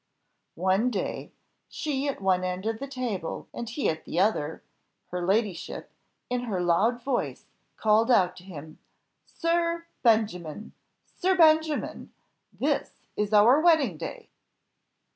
One day, she at one end of the table and he at the other, her ladyship, in her loud voice called out to him, 'Sir Benjamin! Sir Benjamin! this is our wedding day!